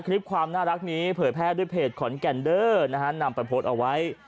คลิปความน่ารักนี้เผยแพทย์ด้วยเพจขอนแก่นเด้อนำประโพธิ์เอาไว้